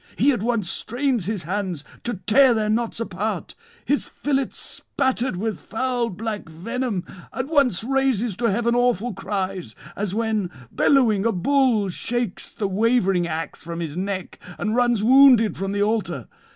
He at once strains his hands to tear their knots apart, his fillets spattered with foul black venom; at once raises to heaven awful cries; as when, bellowing, a bull shakes the wavering axe from his neck and runs wounded from the altar.